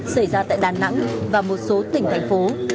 xảy ra tại đà nẵng và một số tỉnh thành phố